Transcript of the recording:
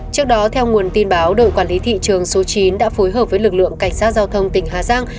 trước đó theo nguồn tin báo đội quản lý thị trường số chín đã phối hợp với lực lượng cảnh sát giao thông tỉnh hà giang